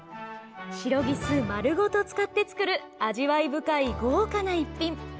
シロギス丸ごと使って作る味わい深い豪華な一品。